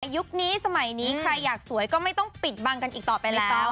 ยุคนี้สมัยนี้ใครอยากสวยก็ไม่ต้องปิดบังกันอีกต่อไปเลยจ้า